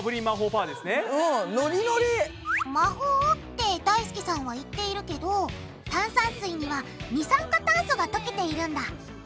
魔法ってだいすけさんは言っているけど炭酸水には二酸化炭素が溶けているんだ。